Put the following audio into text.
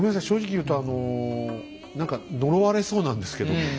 正直言うとあの何か呪われそうなんですけども。